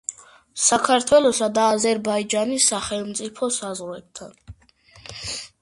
საქართველოსა და აზერბაიჯანის სახელმწიფო საზღვართან.